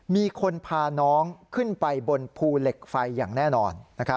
มีคนพาน้องขึ้นไปบนภูเหล็กไฟอย่างแน่นอน